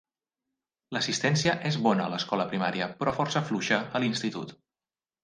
L'assistència és bona a l'escola primària però força fluixa a l'institut.